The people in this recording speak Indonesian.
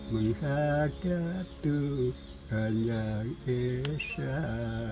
menghagat tuhan yang esah